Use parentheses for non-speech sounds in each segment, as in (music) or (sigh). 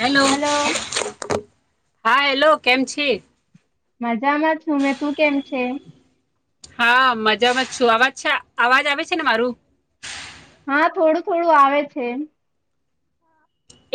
Hello hello હા hello કેમ છ મજ ા માં છું મેં તું કેમ છે હા મજામાં જ છું અવાજ છે અવાજ આવે છે ને મારું હા થોડું થોડું આવે છે એમ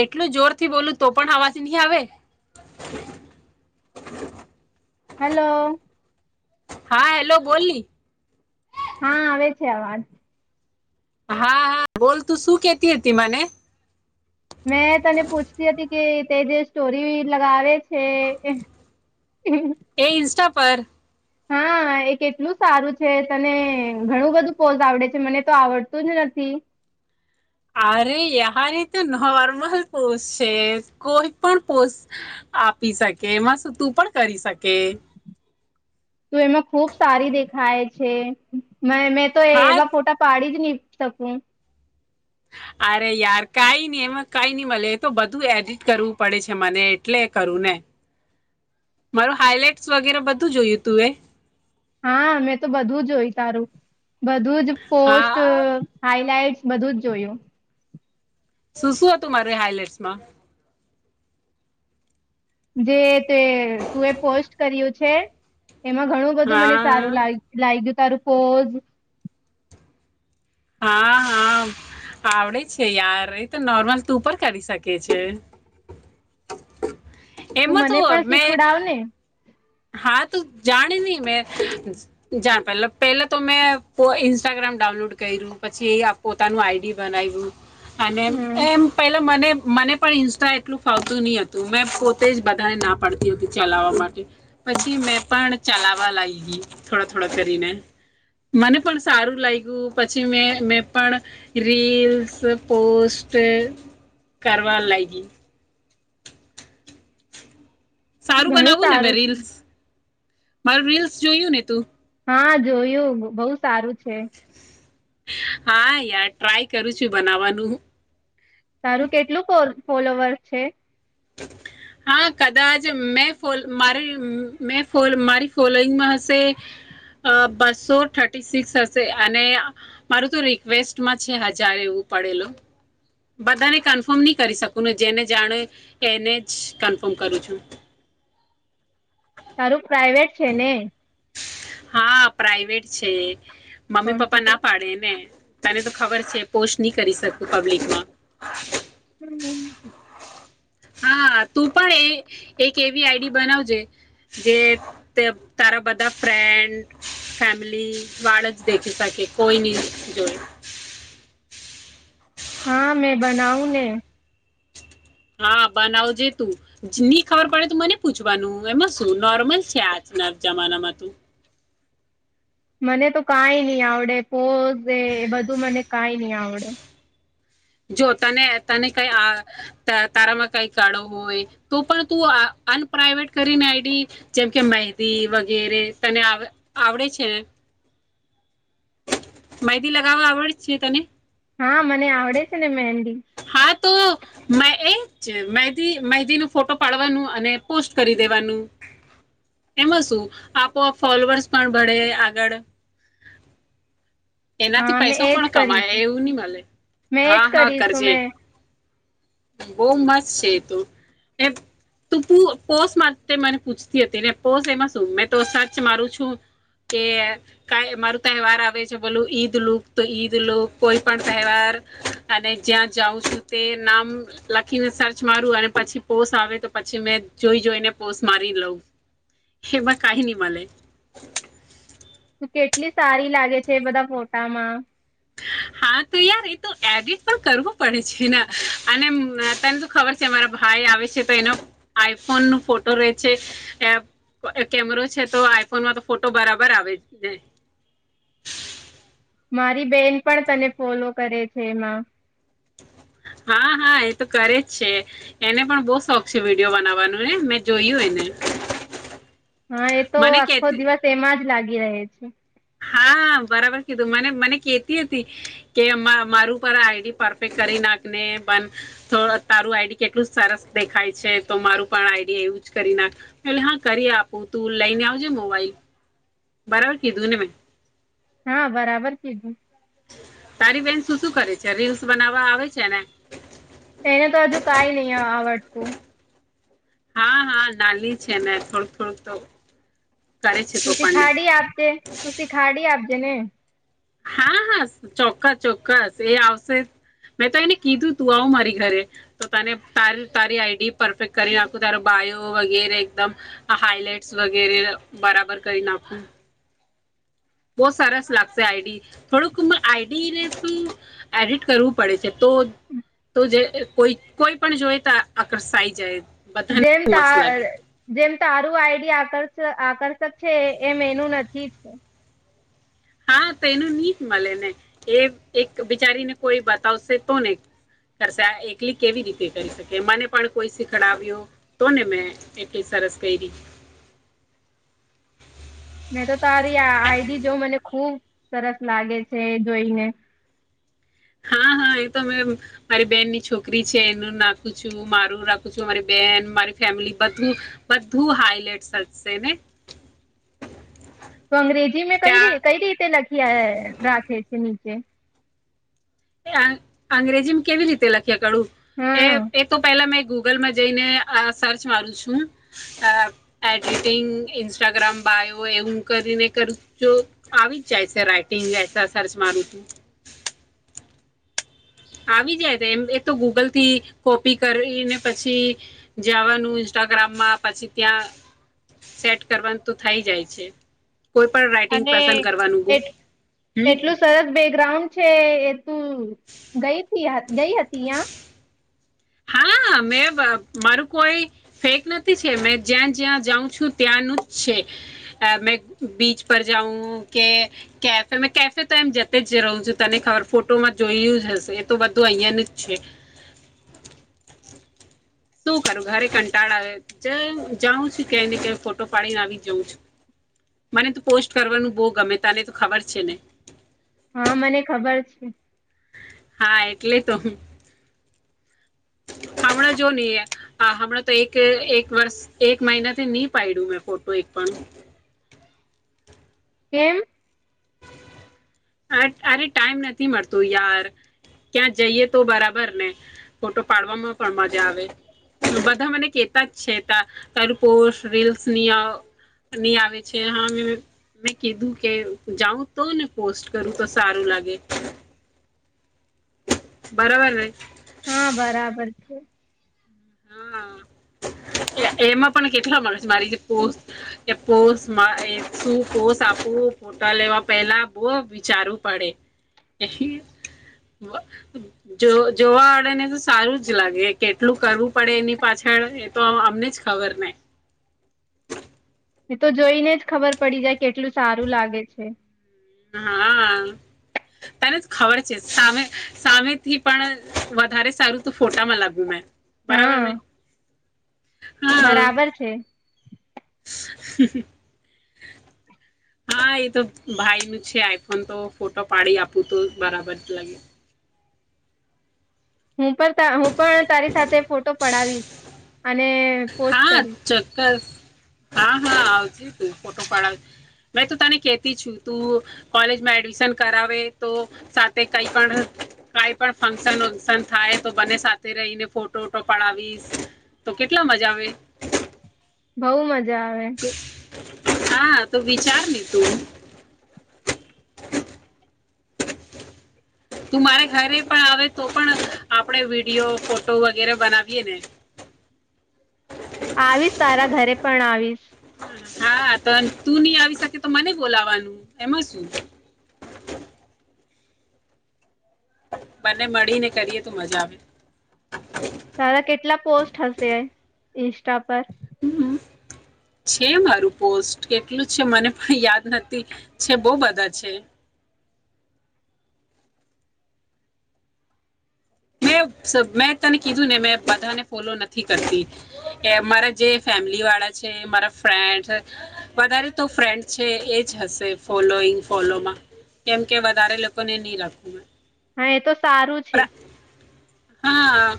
એટલું જોર થી બોલું તો પણ અવાજ ની આવે. હલો. હા હેલો બોલની. હા આવે છે અવાજ. હા હા બોલ તું શું કેતી હતી મને? મેં તને પૂછતી હતી કે તે જે સ્ટોરી લગાવે છે જે એ ઇન્સ્ટા પર હા એ કેટલું સારું છે તને ઘણું બધું પોઝ આવડે છે મને તો આવડતું જ નથી. અરે યાર એ તો નોર્મલ પોસ્ટ છે. કોઈ પણ પોસ્ટ આપી શકે એમાં સૂતું પણ કરી શકે. તું એમાં ખુબ સારી દેખાય છે. મે મેં તો હા એવા ફોટા પાડી જ ની શકું. અરે યાર કાઈ ની એમાં કાઈ ની મલે એ તો બધું એડિટ (unintelligible) કરવું પડે છે મને એટલે કરું ને મારો હાઈલાઈટ વગેરે બધું જોયું તું એ? હા મેં તો બધું જોય તારું. બધું જ પોસ્ટ હા હાઈલાઈટસ બધું જ જોયું. શું શું હતું મારે હાઈલાઈટસમાં? જે તે તું એ પોસ્ટ કર્યું છે. એમાં ઘણું બધું મને હા સારું લાઈ લાગયું. તારું પોઝ હા હા આવડે છે યાર એત નોર્મલ તું પણ કરી શકે છે. તું એમાં તો મને પણ મેં શીખવડાવ ને? હા તુ જાણના ની મે જા પે પલે તો મેં ઈન્સ્ટાગ્રામ ડાઉનલોડ કર્યું પછી એ પોતાનું આઈ ડી બનાયવુ અને હમ એમ પેલા મને મને પણ ઇન્સ્ટા એટલું ફાવતું ની હતું મેં પોતે જ બધાને ના પડતી હતી ચલાવવા માટે. પછી મેં પણ ચલાવવા લાગી ગઈ થોડા થોડા કરીને મને પણ સારું લાગ્યું પછી મે મેં પણ રીલ્સ પોસ્ટ કરવા લાગી. સારું ઘણું બનાવું ને મેં સારું રીલ્સ? મારું રીલ્સ જોયું ને તું? હા જોયું બહુ સારું છે. આ યાર ટ્રાય કરું છું બનાવવાનું. તારું કેટલું (unintelligible) ફોલોવર્સ છે? હા કદાચ મેં ફો મારી મે ફો મારી ફોલોઈંગમાં હશે બસો થર્ટી સિક્સ હશે અને મારું તો રિક્વેસ્ટમાં છે હજાર એવું પડેલું બધાને કન્ફર્મ ની કરી શકું ને જેને જાણુ એ એને જ કન્ફર્મ કરું છું. તારું પ્રાઈવેટ છે ને? હા પ્રાઈવેટ છે. મમ્મી કોણ છે પપ્પા તે? ના પાડે ને. તને તો ખબર છે પોસ્ટ ની કરી શકું પબ્લિકમાં. હમ્મ. હા તું પણ એ એક એવી આઈડી બનાવજે જે તારા બધા ફ્રેન્ડ ફેમિલી વાળ જ દેખી શકે કોઈ નીની જોઈ. હા મેં બનાઉ ને હા બનાવ જેે તું ની ખબર પડે તો મને પૂછવાનું એમાં શું. નોર્મલ છે આજના જમાનામાં તું મને તો કાઈ ની આવડે પોઝ એ એ બધું મને કાઈ ની આવડે. જો તને તને કઈ આ તારામાં કાંઈ કળ હોય તો પણ તું આ અનપ્રાઈવેટ કરીને આઈડી જેમકે મેહદી વગેરે તને આવ આવડે છે ને? મેહદી લગાવવા આવડે છે તને? હા મને આવડે છે ને મહેંદી મેહદી મેહદી નો ફોટો પાડવાનું અને પોસ્ટ કરી દેવાનું. એમાં શું આપોઆપ ફોલોવર્સ પણ બળે આગળ હા એનાથી મેં પૈસો એજ પણ કમાય કરીશું એવું ની મલે મેં એજ હા હા કરીશું કરજે. મેં બહુ મસ્ત છે. તો તે તું પૂ પોસ માટે મને પૂછતી હતી ને પોસ એમાં શું મેં તો સર્ચ મારું છું કે કાંઈ મારું તહેવાર આવે છે બોલું ઈદ લુક તો ઈદ લુક કોઈ પણ તહેવાર અને જ્યાં જાઉ છું તે નામ લખીને સર્ચ મારું અને પછી પોસ આવે તો પછી મેં જોઈ જોઈને પોસ મારી લઉં એમાં કાંઈ ની મલે. તું કેટલી સારી લાગે છે એ બધા ફોટામાં હા તો યાર એ તો એડિટ તો કરવું પડે છે ન અને તને તો ખબર છે મારા ભાઈ આવે છે તો એનો આઈફોનનો ફોટો રે છે એ કેમેરો છે તો આઈફોનમાં તો ફોટો બરાબર આવેને મારી બેન પણ તને ફોલો કરે છે એમાં હા હા એ તો કરે જ છે. એને પણ બહુ શોખ છે વિડીયો બનાવાનું ને મેં જોયું એને હહ એ તો મને આખો કહેતી દિવસ એમાં જ લાગે ગી રહે છે. હા બરાબર કીધું મને મને કેતી હતી કે મારું પણ આ આઈડી પરફેક્ટ કરી નાખ ને બન તારું આઈડી કેટલું સરસ દેખાય છે તો મારું પણ આઈડી એવું જ કરી નાખ એટલે હા કરી આપું તું લઈને આવજે મોબાઈલ બરાબર કીધું ને મેં હા બરાબર કીધું તારી બેન શું શું કરે છે રીલ્સ બનાવવા આવે છે ને? એને તો હજુ કાંઈ ની આવડતું. હા હા નાલી છે ને થોડુંક થોડુંક તો કરે છે તો તુસી પણને ખાડી આપજે તુસી ખાડી આપ તેને હા હા ચોક્કસ ચોક્કસ એ આવશે મેં તો એને કીધું તું આવ મારી ઘરે તો તને તારી આઈડી પરફેક્ટ કરી નાખું, તારો બાયો વગેરે એકદમ હાઈલાઈટસ વગેરે બરાબર કરી નાખું. બોવ સરસ લાગશે આઈડી થોડુંક આઈડીને શું એડિટ કરવું પડે છે. તો તો જે કોઈ કોઈ પણ જોવે તો આકર્ષાઈ જાય. બધાને જેમ મસ્ત તા લાગે જેમ તારું આઇડી આકર્ષ આકર્ષક છે એમ એનું નથી છે. હા તેનું ની જ મલે ને એ એક બિચારીને કોઈ બતાવશે તોને કરશે આ એકલી કેવી રીતે કરી શકે મને પણ કોઈ શીખડાવ્યું તોને મેં એટલી સરસ કયરી મેં તો તારી આ આઈડી જોઉં મને ખુબ સરસ લાગે છે એ જોઈને હા હા એ તો મેં મારી બેનની છોકરી છે એનું નાખું છું, મારું રાખું છું, મારી બેન, મારી ફેમિલી બધું બધું હાઈલાઈટસ થશે ને તો અંગ્રેજી મેં કઈ ક્યા કઈ રીતે લખી રાખે છે નીચ કે એ આ અંગ્રેજીમાં કેવી રીતે લખ (inaudible) એ હા એ તો પહેલા મેં ગૂગલમાં જઈને અ સર્ચ મારું છું. અ એડિટિંગ ઇન્સ્ટાગ્રામ બાયો એવું કરીને કરું જો આવી જ જાય છે રાઈટિંગ એસા સર્ચ મારું તો આવી જાય તો એમ એ તો ગૂગલથી કોપી કરીને પછી જાવાનું ઇન્સ્ટાગ્રામમાં પછી ત્યાં સેટ કરવાનું તો થઈ જાય છે. કોઈ પણ રાઇટિંગ અને પસંદ કરવાનું ગુ એટ હમ એટલું સરસ બેકગ્રાઉન્ડ છે એ તું ગઈતી ગઈ હતી યા હા મેં મારું કોઈ ફેક નથી છે મેં જ્યાં જ્યાં જાઉં છું ત્યાંનું જ છે મેં બીચ પર જાઉં કે કેફે મે કેફે તો એમ જતે જ રહું છું તને ખબર ફોટોમાં જોયું જ હશે એ તો બધું અહિયાંયાનું જ છે શું કરું ઘરે કંટાળ આવે જાઉં છું ક્યાય ને ક ફોટો પાડીને આવી જાઉં છું મને તો પોસ્ટ કરવાનું બહુ ગમે તને તો ખબર છે ને હા મને ખબર છે હા એટલે તો હ હમણાં જો નહી હમણાં તો એક એક વર્ષ એક મહિનાથી નહી પાડડ્યું મેં ફોટો એક પણ કેમ અરે ટાઈમ નથી મળતોું યાર ક્યાં જઈય તો બરાબર ને ફોટો પાડવામાં પણ મજા આવે બધા મને કેતા જ છે ત તારું પોસ્ટ રીલ્સનીની આવે છે હા મે મે કીધું કે જાઉં તો ને પોસ્ટ કરું તો સારું લાગે બરોબર ર હા બરાબર છે હા એમાં પણ કેટલા મળે છે મારી જે પોસ્ટ એ પોસ્ટ શું પોસ્ટ આપવું ફોટા લેવા પેલા બહ વિચારવું પડે જોવાડે ને તો સારું જ લાગે કેટલું કરવું પડે એની પાછળ એ તો અમને જ ખબર નહ એ તો જોઈને જ ખબર પડી જાય કેટલું સારું લાગે છે હા તને જ ખબર છે સામે સામેથી પણ વધારે સારું તો ફોટામાં લાગ્યું મેં બરાબર હા નહી બરાબર છે હા એ તો ભાઈ નું છે આઈફોન તો ફોટો પાડી આપું તો બરાબર જ લાગે હું પણ હું પણ તારી સાથે ફોટો પડાવીશ અને પોસ્ટ હા કરીશ ચોક્કસ હા હા આવજ તું ફોટો પડાવ મેં તો તને કેતી છુ તું કોલેજમાં એડમિશન કરાવે તો સાથે કઈ પણ કઈ પણ ફંક્શન વંક્શન થાય તો બને સાથે રહીને ફોટો વોટો પડાવીશ તો કેટલો મજા જાવ બઉુ મજા મજા આવે હા તો વિચાર ન તું (inaudible) તું મારે ઘરે પણ આવે તો પણ આપડે વિડીિયો ફોટો વગેરે બનાવીયે ને આવીશ તારા ઘરે પણ આવીશ હા તો તું નઈ આવી શકે તો મને બોલાવાનું એમાં શું બને મળી ને કરીએ તો મજા આવે તારા કેટલા પોસ્ટ હશે ઇન્સ્ટા પર હમ છે મારું પોસ્ટ કેટલું છે મને પણ યાદ નથી છે બહ બધા છે મે મેં તને કીધું ને મેં બધાને ફોલો નથી કરતી કે મારા જે ફેમિલી વાળા છે મારા ફન્ડ વધારે તો ફ્રેન્ડ છે એજ હશે ફોલોઈંગ ફોલોમાં કેમ કે વધારે લોકોને નહી રાખ હા એ તો સારું છે હા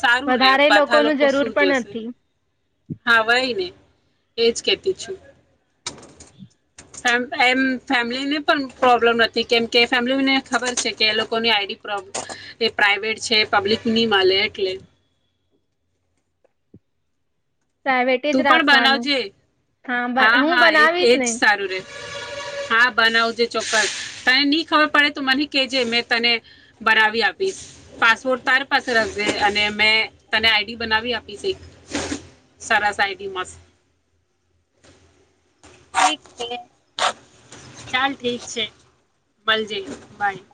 સારું ને વધારે લોકો બધા ન જરૂર શું પણ જોશે નથી હા વય ને એજ કેતી છું એમ ફેમિલીને પણ પ્રોબ્લમ નથી કેમકે ફેમિલીને ખબર છે કે એ લોકોની આઈડી પ્રોબ્લે એ પ્રઇવેટ છે પબ્લિક નહી માલે એટલે પ્રાઇવેટ જ તું પણ રાખવાનું બનાવજે હા બ- હું હા એ બનાવીશ એજ ને સારું રે હા બનાવજે ચોક્કસ તને નહી ખબર પડે તો મને કેજે મે તને બનાવી આપીશ પાસપોર્ટ તારે પાસે રખજે અને મે તને આઈડી બનાવી આપીશ એક સરરાસ આટીમાંસ્ ઠીક છે ચાલ ઠીક છે મળ જઈું બાય